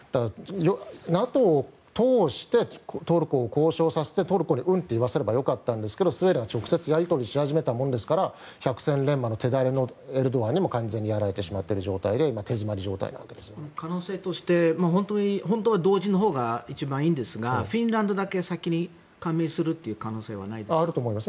ＮＡＴＯを通してトルコと交渉させてトルコに、うんと言わせればよかったんですがスウェーデンが直接やり取りし始めたものだから百戦錬磨のエルドアンにも完全にやられてしまっている状態で可能性として本当は同時のほうが一番いいんですがフィンランドだけ先に加盟するという可能性はないですか？